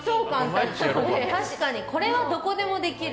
確かにこれはどこでもできる。